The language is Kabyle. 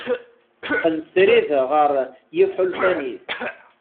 Teqqen srid ɣer yiḥulfan-is.